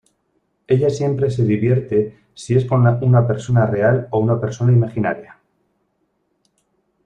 Ella siempre se divierte si es con una persona real o una persona imaginaria.